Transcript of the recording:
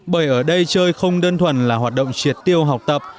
bởi ở đây chơi không đơn thuần là hoạt động triệt tiêu học tập